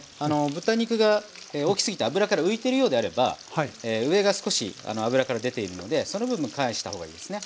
豚肉が大きすぎて油から浮いてるようであれば上が少し油から出ているのでその分返したほうがいいですね。